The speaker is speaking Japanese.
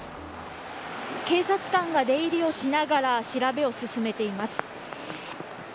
警察官が出入りをしながら調べを進めています。